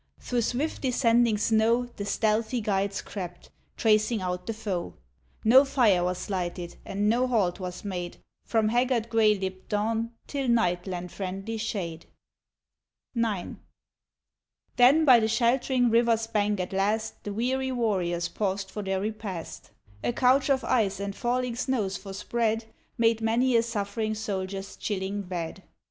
Through swift descending snow The stealthy guides crept, tracing out the foe; No fire was lighted, and no halt was made From haggard gray lipped dawn till night lent friendly shade. IX. Then, by the shelt'ring river's bank at last, The weary warriors paused for their repast. A couch of ice and falling snows for spread Made many a suffering soldier's chilling bed.